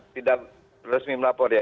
tidak resmi melapor ya